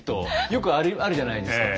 よくあるじゃないですか